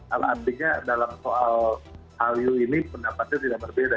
artinya dalam soal hallyu ini pendapatnya tidak berbeda